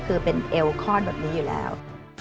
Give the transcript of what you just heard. คือเป็นเอวคอนแบบนี้อยู่แล้ว